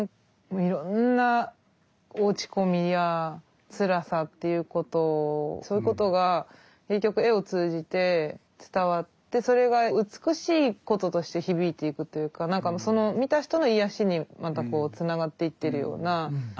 いろんな落ち込みやつらさっていうことをそういうことが結局絵を通じて伝わってそれが美しいこととして響いていくというか見た人の癒やしにまたこうつながっていってるような。